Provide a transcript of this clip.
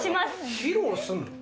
披露すんの？